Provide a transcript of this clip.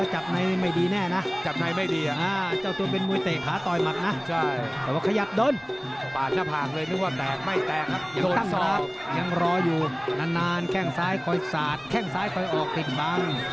ยังตั้งครับยังรออยู่นานแค่งซ้ายคอยสาดแค่งซ้ายคอยออกติดบัง